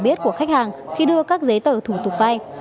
biết của khách hàng khi đưa các giấy tờ thủ tục vay